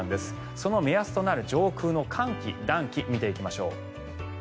その目安となる上空の寒気、暖気見ていきましょう。